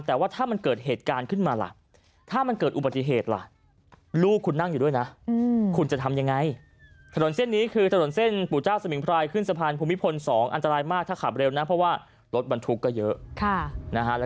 แต่ว่าถ้ามันเกิดเหตุการณ์ขึ้นมาล่ะถ้ามันเกิดอุบัติเหตุล่ะ